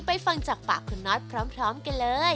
ฟังจากปากคุณน็อตพร้อมกันเลย